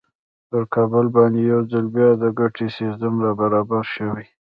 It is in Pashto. پر کابل باندې یو ځل بیا د ګټې سیزن را برابر شوی.